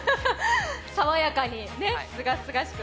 爽やかにすがすがしく。